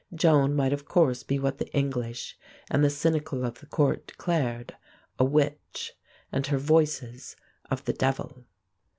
Joan might of course be what the English and the cynical of the court declared, a witch and her Voices of the devil.